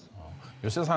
吉田さん